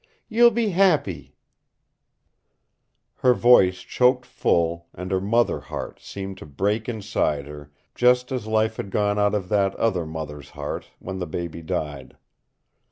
You'll be happy " Her voice choked full, and her mother heart seemed to break inside her, just as life had gone out of that other mother's heart when the baby died.